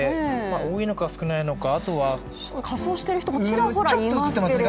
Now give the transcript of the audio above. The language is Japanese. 多いのか少ないのか、あとは仮装している人もちらほら映っていますね。